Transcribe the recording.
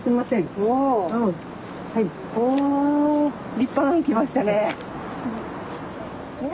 立派なの来ましたね。